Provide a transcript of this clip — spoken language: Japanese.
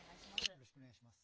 よろしくお願いします。